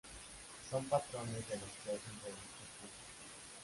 Son patrones de los que hacen proyectos juntos.